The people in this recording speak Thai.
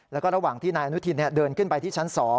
แล้วก็ระหว่างที่นายอนุทินเดินขึ้นไปที่ชั้น๒